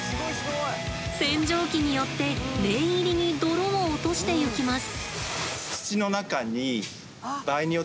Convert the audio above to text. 洗浄機によって念入りに泥を落としていきます。